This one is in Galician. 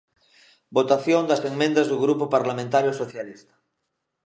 Votación das emendas do Grupo Parlamentario Socialista.